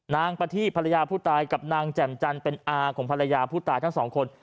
นาทีภรรยาผู้ตายกับนางแจ่มจันทร์เป็นอาของภรรยาผู้ตายทั้งสองคน